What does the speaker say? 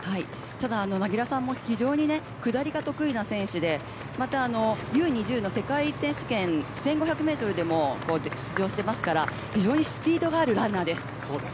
柳樂さんも非常に下りが得意な選手でＵ２０の世界選手権１５００メートルでも出場してますから非常にスピードがあるランナーです。